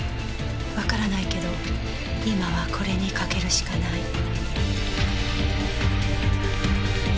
わからないけど今はこれにかけるしかない。